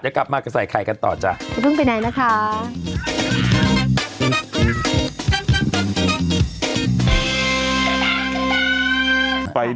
เดี๋ยวกลับมากันใส่ไข่กันต่อจ้ะ